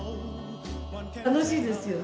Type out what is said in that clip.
楽しいですよね。